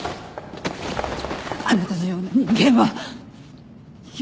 あなたのような人間は許さない。